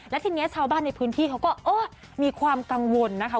และทีนี้ชาวบ้านในพื้นที่เขาก็มีความกังวลนะคะ